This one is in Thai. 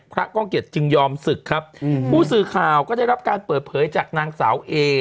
ก้องเกียจจึงยอมศึกครับผู้สื่อข่าวก็ได้รับการเปิดเผยจากนางสาวเอ